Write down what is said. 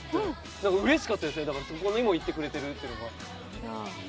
だからうれしかったですね、そこにも行ってくれているというのが。